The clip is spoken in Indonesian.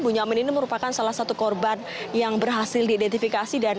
bu nyamin ini merupakan salah satu korban yang berhasil diidentifikasi